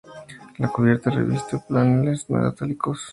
La cubierta se revistió con paneles metálicos.